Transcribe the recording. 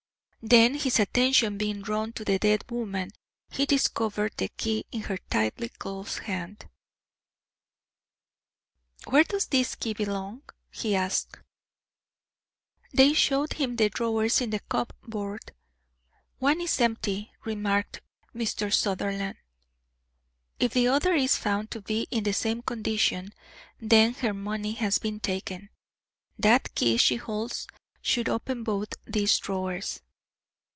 Then, his attention being drawn to the dead woman, he discovered the key in her tightly closed hand. "Where does this key belong?" he asked. They showed him the drawers in the cupboard. "One is empty," remarked Mi. Sutherland. "If the other is found to be in the same condition, then her money has been taken. That key she holds should open both these drawers."